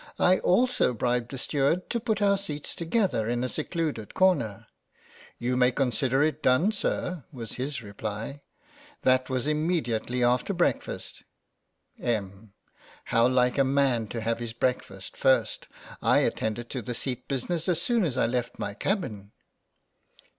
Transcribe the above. I also bribed the steward to put our seats together in a secluded corner. You may consider it done, sir," was his reply. That was immediately after breakfast. Em. : How like a man to have his break fast first. I attended to the seat business as soon as I left my cabin.